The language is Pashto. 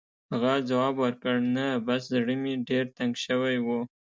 هغه ځواب ورکړ: «نه، بس زړه مې ډېر تنګ شوی و.